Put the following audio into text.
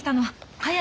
はい。